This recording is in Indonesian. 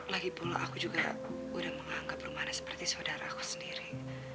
lagipula aku juga udah menganggap rumahnya seperti saudara aku sendiri